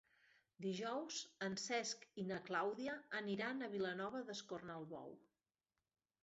Dijous en Cesc i na Clàudia aniran a Vilanova d'Escornalbou.